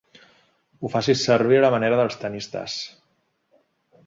Ho facis servir a la manera dels tennistes.